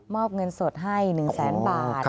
อบเงินสดให้๑แสนบาท